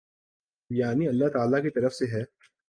یعنی اﷲ تعالی کی طرف سے ہے۔